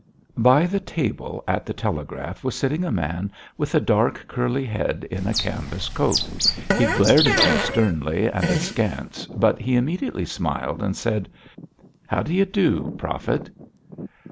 By the table at the telegraph was sitting a man with a dark, curly head in a canvas coat; he glared at me sternly and askance, but he immediately smiled and said: "How do you do, Profit?"